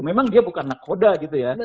memang dia bukan nakoda gitu ya